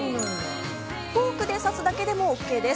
フォークで刺すだけでもＯＫです。